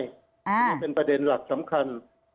อันนี้เป็นประเด็นหลักสำคัญ